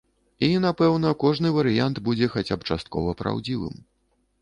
І, напэўна, кожны варыянт будзе хаця б часткова праўдзівым.